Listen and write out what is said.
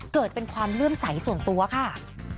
เกิดเป็นความเลื่อมใสส่วนตัวค่ะ